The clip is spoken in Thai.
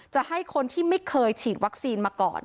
จะให้คนที่ไม่เคยฉีดวัคซีนมาก่อน